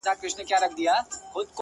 o والله ه چي په تا پسي مي سترگي وځي،